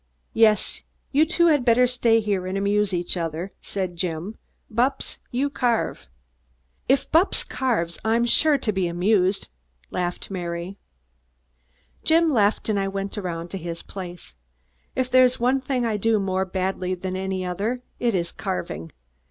"Yes, you two better stay here and amuse each other," said Jim. "Bupps, you carve!" "If Bupps carves, I'm sure to be amused," laughed Mary. Jim left, and I went around to his place. If there is one thing I do more badly than another, it is carving.